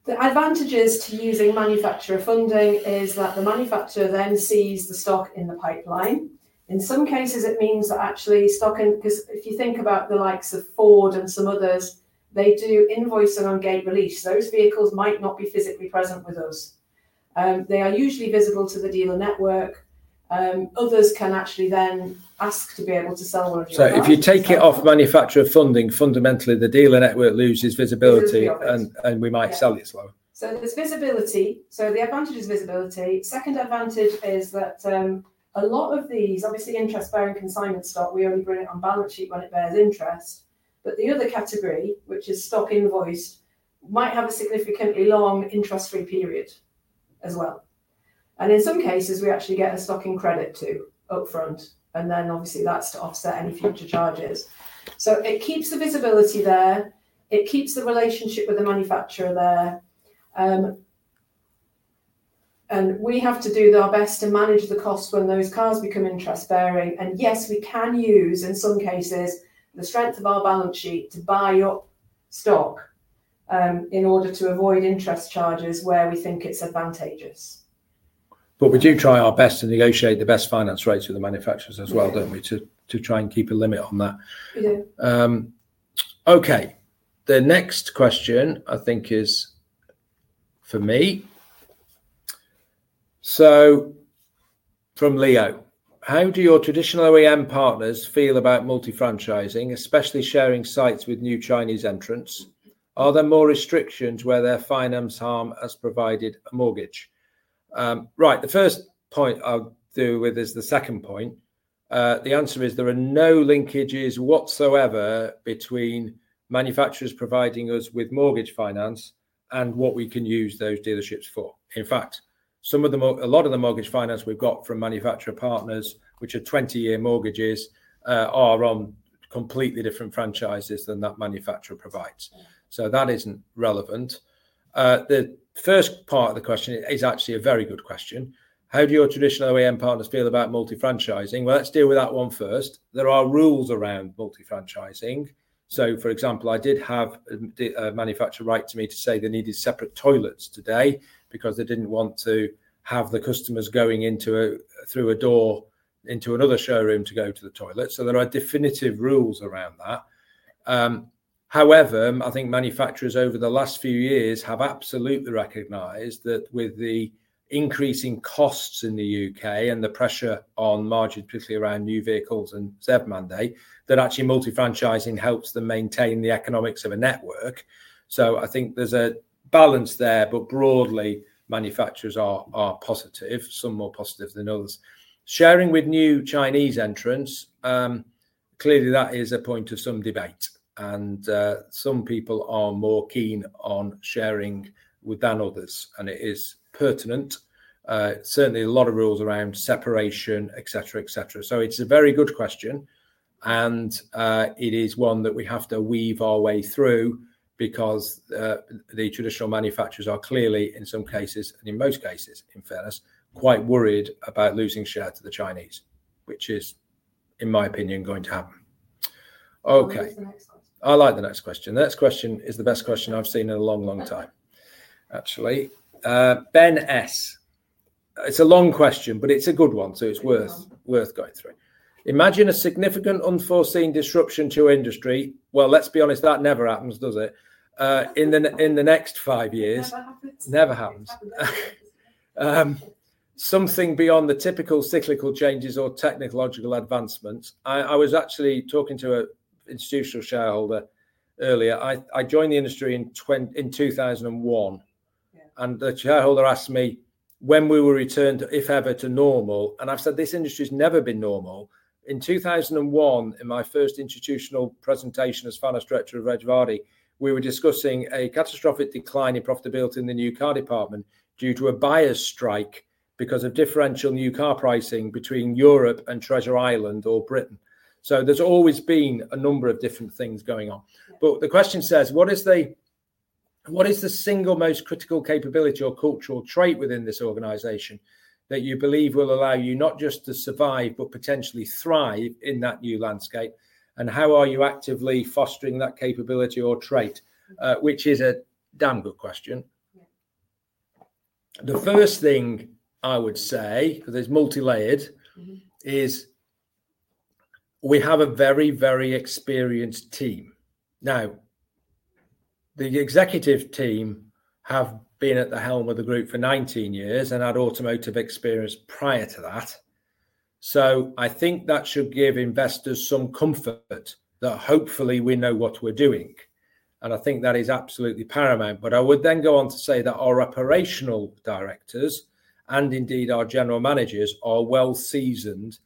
Speaker 3: The advantages to using manufacturer funding is that the manufacturer then sees the stock in the pipeline. In some cases, it means that actually stock, because if you think about the likes of Ford and some others, they do invoice and on gate release. Those vehicles might not be physically present with us. They are usually visible to the dealer network. Others can actually then ask to be able to sell one of your cars.
Speaker 2: If you take it off manufacturer funding, fundamentally, the dealer network loses visibility, and we might sell it slower.
Speaker 3: There is visibility. The advantage is visibility. Second advantage is that a lot of these, obviously, interest-bearing consignment stock, we only bring it on balance sheet when it bears interest. The other category, which is stock invoiced, might have a significantly long interest-free period as well. In some cases, we actually get a stocking credit too upfront, and that is to offset any future charges. It keeps the visibility there. It keeps the relationship with the manufacturer there. We have to do our best to manage the costs when those cars become interest-bearing. Yes, we can use in some cases the strength of our balance sheet to buy up stock in order to avoid interest charges where we think it is advantageous.
Speaker 2: We do try our best to negotiate the best finance rates with the manufacturers as well, do we not, to try and keep a limit on that. Okay, the next question, I think, is for me. From Leo, how do your traditional OEM partners feel about multi-franchising, especially sharing sites with new Chinese entrants? Are there more restrictions where their finance arm has provided a mortgage? The first point I will deal with is the second point. The answer is there are no linkages whatsoever between manufacturers providing us with mortgage finance and what we can use those dealerships for. In fact, a lot of the mortgage finance we have got from manufacturer partners, which are 20-year mortgages, are on completely different franchises than that manufacturer provides. That is not relevant. The first part of the question is actually a very good question. How do your traditional OEM partners feel about multi-franchising? Let us deal with that one first. There are rules around multi-franchising. For example, I did have a manufacturer write to me to say they needed separate toilets today because they did not want to have the customers going through a door into another showroom to go to the toilet. There are definitive rules around that. However, I think manufacturers over the last few years have absolutely recognized that with the increasing costs in the U.K. and the pressure on margins, particularly around new vehicles and ZEV mandate, that actually multi-franchising helps them maintain the economics of a network. I think there is a balance there, but broadly, manufacturers are positive, some more positive than others. Sharing with new Chinese entrants, clearly that is a point of some debate. Some people are more keen on sharing than others. It is pertinent. Certainly, a lot of rules around separation, etc., etc. It is a very good question. It is one that we have to weave our way through because the traditional manufacturers are clearly, in some cases, and in most cases, in fairness, quite worried about losing share to the Chinese, which is, in my opinion, going to happen. Okay, I like the next question. The next question is the best question I've seen in a long, long time, actually. Ben S., it's a long question, but it's a good one, so it's worth going through. Imagine a significant unforeseen disruption to industry. Let's be honest, that never happens, does it? In the next 5 years. Never happens. Never happens. Something beyond the typical cyclical changes or technological advancements. I was actually talking to an institutional shareholder earlier. I joined the industry in 2001. The shareholder asked me when we were returned, if ever, to normal. I've said this industry has never been normal. In 2001, in my first institutional presentation as Finance Director of Reg Vardy, we were discussing a catastrophic decline in profitability in the new car department due to a buyer's strike because of differential new car pricing between Europe and Treasure Island or Britain. There has always been a number of different things going on. The question says, what is the single most critical capability or cultural trait within this organization that you believe will allow you not just to survive, but potentially thrive in that new landscape? How are you actively fostering that capability or trait, which is a damn good question? The first thing I would say, because it is multi-layered, is we have a very, very experienced team. Now, the executive team have been at the helm of the group for 19 years and had automotive experience prior to that. I think that should give investors some comfort that hopefully we know what we're doing. I think that is absolutely paramount. I would then go on to say that our operational directors and indeed our general managers are well seasoned.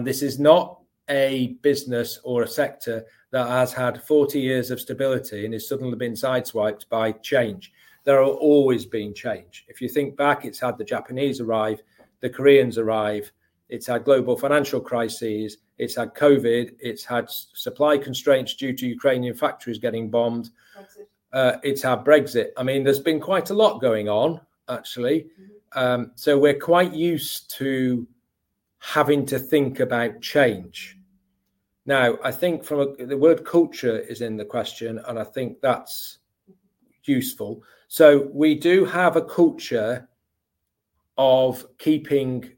Speaker 2: This is not a business or a sector that has had 40 years of stability and has suddenly been sideswiped by change. There have always been change. If you think back, it's had the Japanese arrive, the Koreans arrive. It's had global financial crises. It's had COVID. It's had supply constraints due to Ukrainian factories getting bombed. It's had Brexit. I mean, there's been quite a lot going on, actually. We're quite used to having to think about change. I think the word culture is in the question, and I think that's useful. We do have a culture of keeping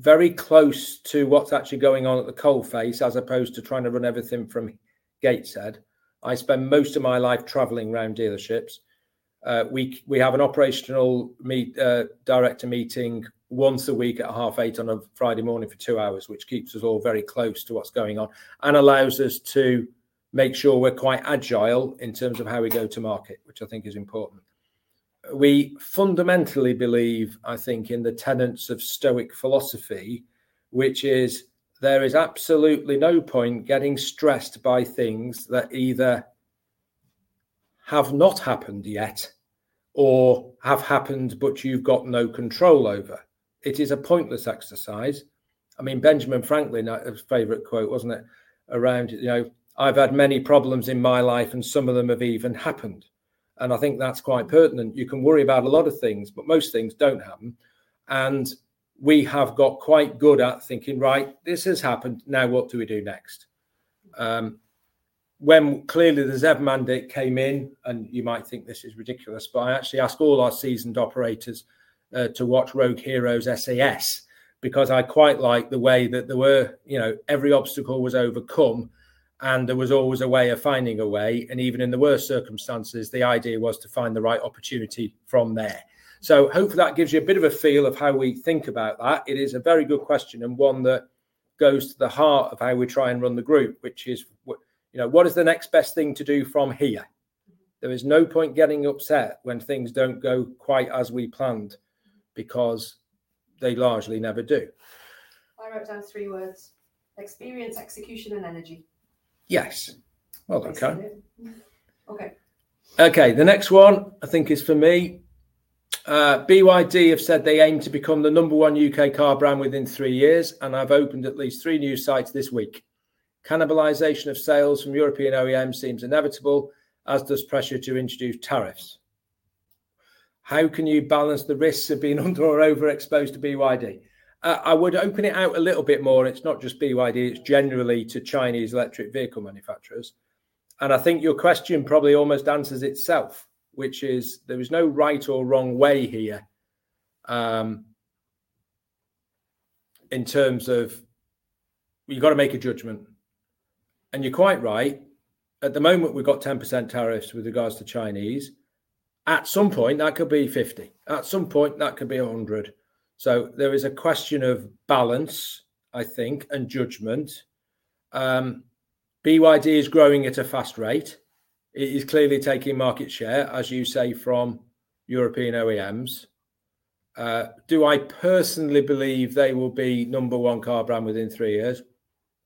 Speaker 2: very close to what's actually going on at the coalface as opposed to trying to run everything from Gateshead. I spend most of my life traveling around dealerships. We have an operational director meeting once a week at half eight on a Friday morning for two hours, which keeps us all very close to what's going on and allows us to make sure we're quite agile in terms of how we go to market, which I think is important. We fundamentally believe, I think, in the tenets of stoic philosophy, which is there is absolutely no point getting stressed by things that either have not happened yet or have happened, but you've got no control over. It is a pointless exercise. I mean, Benjamin Franklin, a favorite quote, wasn't it? Around, you know, I've had many problems in my life, and some of them have even happened. I think that's quite pertinent. You can worry about a lot of things, but most things don't happen. We have got quite good at thinking, right, this has happened. Now, what do we do next? When clearly the ZEV mandate came in, and you might think this is ridiculous, but I actually asked all our seasoned operators to watch Rogue Heroes SAS because I quite like the way that there were, you know, every obstacle was overcome, and there was always a way of finding a way. Even in the worst circumstances, the idea was to find the right opportunity from there. Hopefully that gives you a bit of a feel of how we think about that. It is a very good question and one that goes to the heart of how we try and run the group, which is, you know, what is the next best thing to do from here? There is no point getting upset when things do not go quite as we planned because they largely never do.
Speaker 3: I wrote down three words: experience, execution, and energy.
Speaker 2: Yes.
Speaker 3: Okay.
Speaker 2: Okay, the next one, I think, is for me. BYD have said they aim to become the number one U.K. car brand within three years, and have opened at least three new sites this week. Cannibalization of sales from European OEMs seems inevitable, as does pressure to introduce tariffs. How can you balance the risks of being under or overexposed to BYD? I would open it out a little bit more. It is not just BYD, it is generally to Chinese electric vehicle manufacturers. I think your question probably almost answers itself, which is there is no right or wrong way here in terms of you've got to make a judgment. You're quite right. At the moment, we've got 10% tariffs with regards to Chinese. At some point, that could be 50. At some point, that could be 100. There is a question of balance, I think, and judgment. BYD is growing at a fast rate. It is clearly taking market share, as you say, from European OEMs. Do I personally believe they will be number one car brand within 3 years?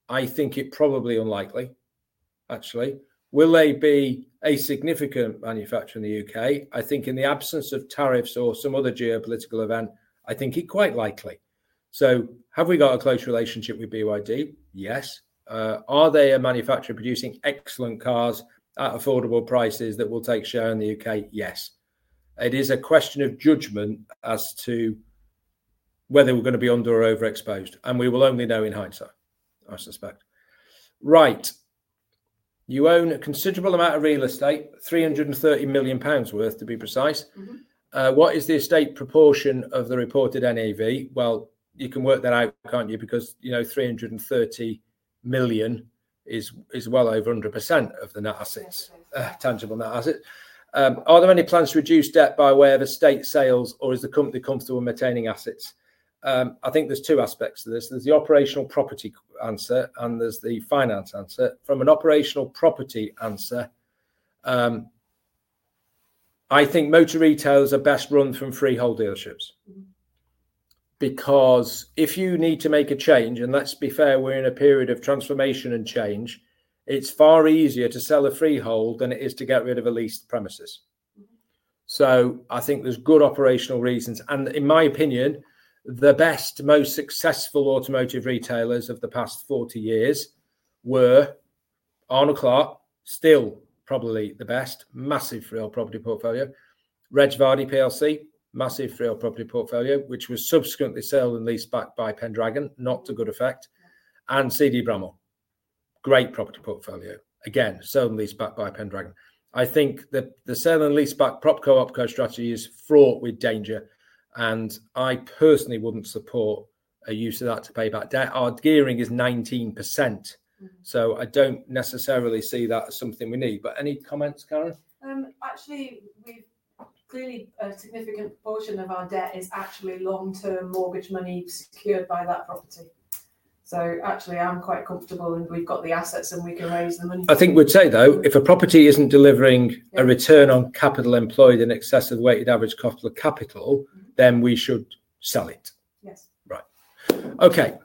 Speaker 2: I think it's probably unlikely, actually. Will they be a significant manufacturer in the U.K.? I think in the absence of tariffs or some other geopolitical event, I think it's quite likely. Have we got a close relationship with BYD? Yes. Are they a manufacturer producing excellent cars at affordable prices that will take share in the U.K.? Yes. It is a question of judgment as to whether we're going to be under or overexposed. And we will only know in hindsight, I suspect. Right. You own a considerable amount of real estate, 330 million pounds worth, to be precise. What is the estate proportion of the reported NAV? You can work that out, can't you? Because, you know, 330 million is well over 100% of the net assets, tangible net assets. Are there any plans to reduce debt by way of estate sales, or is the company comfortable maintaining assets? I think there's two aspects to this. There's the operational property answer, and there's the finance answer. From an operational property answer, I think motor retailers are best run from freehold dealerships. Because if you need to make a change, and let's be fair, we're in a period of transformation and change, it's far easier to sell a freehold than it is to get rid of a leased premises. I think there's good operational reasons. In my opinion, the best, most successful automotive retailers of the past 40 years were Arne Clark, still probably the best, massive real property portfolio. Reg Vardy, massive real property portfolio, which was subsequently sold and leased back by Pendragon, not to good effect. CD Bramall, great property portfolio. Again, sold and leased back by Pendragon. I think the sale and lease back prop co-op co-strategy is fraught with danger. I personally wouldn't support a use of that to pay back debt. Our gearing is 19%. I don't necessarily see that as something we need. Any comments, Karen?
Speaker 3: Actually, we've clearly a significant portion of our debt is actually long-term mortgage money secured by that property. So actually, I'm quite comfortable, and we've got the assets, and we can raise the money.
Speaker 2: I think we'd say, though, if a property isn't delivering a return on capital employed in excess of weighted average cost of capital, then we should sell it. Yes. Right. Okay. Next one's on pay later. The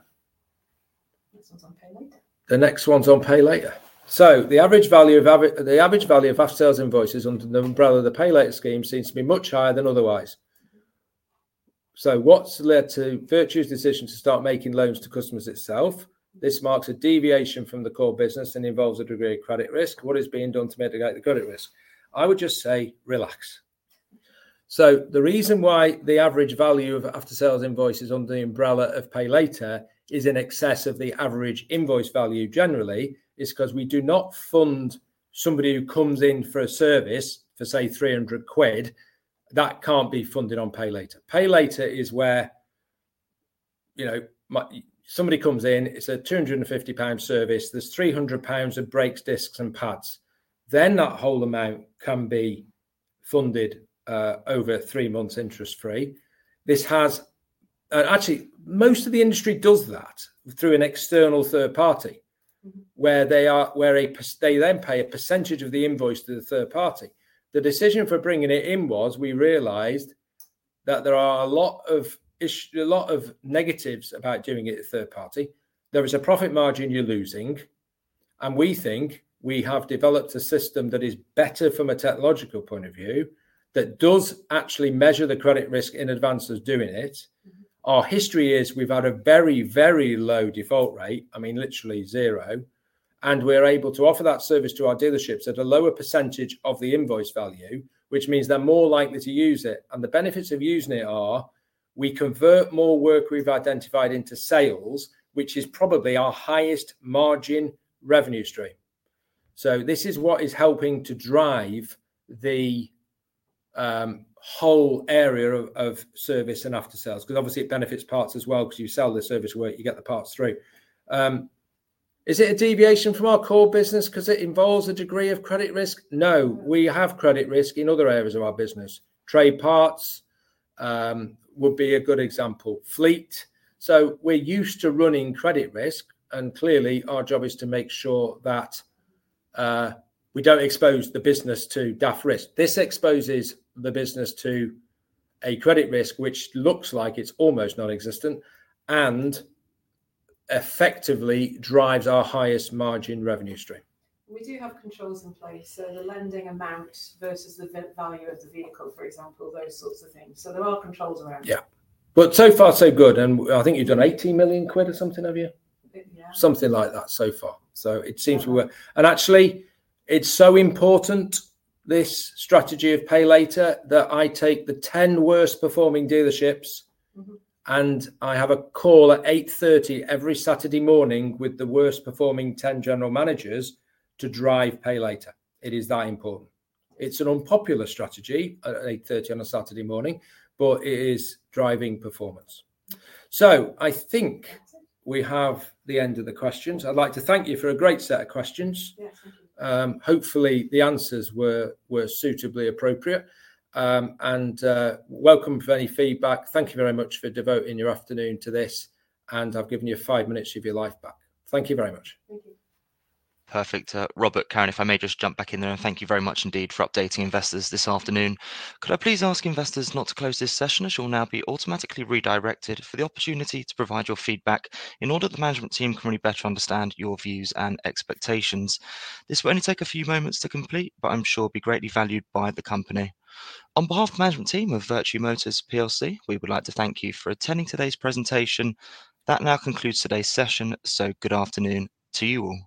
Speaker 2: next one's on pay later. So the average value of fast sales invoices under the umbrella of the pay later scheme seems to be much higher than otherwise. What has led to Vertu's decision to start making loans to customers itself? This marks a deviation from the core business and involves a degree of credit risk. What is being done to mitigate the credit risk? I would just say relax. The reason why the average value of after-sales invoices under the umbrella of pay later is in excess of the average invoice value generally is because we do not fund somebody who comes in for a service for, say, 300 quid. That cannot be funded on pay later. Pay later is where, you know, somebody comes in, it is a 250 pound service, there is 300 pounds of brakes, discs, and pads. Then that whole amount can be funded over three months interest-free. This has, and actually, most of the industry does that through an external third party where they then pay a percentage of the invoice to the third party. The decision for bringing it in was we realized that there are a lot of negatives about doing it at third party. There is a profit margin you are losing. We think we have developed a system that is better from a technological point of view that does actually measure the credit risk in advance of doing it. Our history is we've had a very, very low default rate, I mean, literally zero. We are able to offer that service to our dealerships at a lower % of the invoice value, which means they're more likely to use it. The benefits of using it are we convert more work we've identified into sales, which is probably our highest margin revenue stream. This is what is helping to drive the whole area of service and after-sales. Obviously, it benefits parts as well, because you sell the service work, you get the parts through. Is it a deviation from our core business because it involves a degree of credit risk? No, we have credit risk in other areas of our business. Trade parts would be a good example. Fleet. We are used to running credit risk. Clearly, our job is to make sure that we do not expose the business to daft risk. This exposes the business to a credit risk, which looks like it is almost non-existent and effectively drives our highest margin revenue stream.
Speaker 3: We do have controls in place. The lending amount versus the value of the vehicle, for example, those sorts of things. There are controls around it.
Speaker 2: Yeah. So far, so good. I think you have done 18 million quid or something, have you? Yeah. Something like that so far. It seems we were. Actually, it is so important, this strategy of pay later, that I take the 10 worst performing dealerships and I have a call at 8:30 every Saturday morning with the worst performing 10 general managers to drive pay later. It is that important. It is an unpopular strategy at 8:30 on a Saturday morning, but it is driving performance. I think we have the end of the questions. I would like to thank you for a great set of questions. Hopefully, the answers were suitably appropriate. You are welcome for any feedback. Thank you very much for devoting your afternoon to this. I have given you five minutes of your life back. Thank you very much.
Speaker 1: Thank you. Perfect. Robert, Karen, if I may just jump back in there and thank you very much indeed for updating investors this afternoon. Could I please ask investors not to close this session? It will now be automatically redirected for the opportunity to provide your feedback in order that the management team can really better understand your views and expectations. This will only take a few moments to complete, but I'm sure it will be greatly valued by the company. On behalf of the management team of Vertu Motors plc, we would like to thank you for attending today's presentation. That now concludes today's session. Good afternoon to you all.